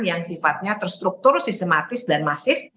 yang sifatnya terstruktur sistematis dan masif